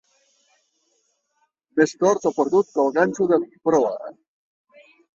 Més tort o perdut que el ganxo de proa.